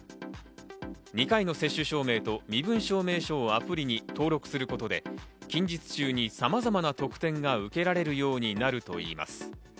２回の接種証明と身分証明書をアプリに登録することで近日中にさまざまな特典が受けられるようになるといいます。